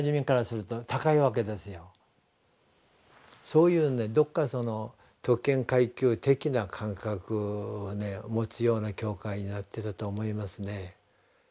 そういうどこか特権階級的な感覚を持つような教会になってたと思いますね。